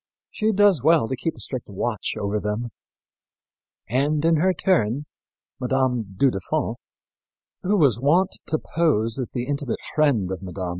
She does well to keep a strict watch over them." And, in her turn, Mme. du Deffand, who was wont to pose as the intimate friend of Mme.